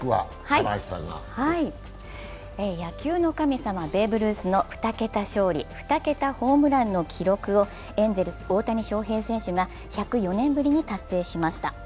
野球の神様、ベーブ・ルースの２桁勝利・２桁ホームランの記録をエンゼルス・大谷翔平選手が１０４年ぶりに達成しました。